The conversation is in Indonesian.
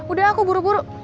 udah aku buru buru